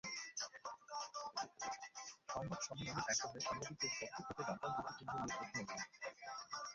সংবাদ সম্মেলনের একপর্যায়ে সাংবাদিকদের পক্ষ থেকে রামপাল বিদ্যুৎকেন্দ্র নিয়ে প্রশ্ন ওঠে।